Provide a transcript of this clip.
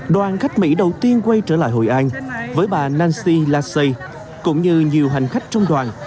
đoàn khách mỹ đầu tiên quay trở lại hội an với bà nanci lasi cũng như nhiều hành khách trong đoàn